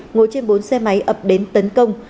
ngồi trên bốn xe máy ập đến tấn công